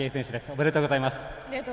おめでとうございます。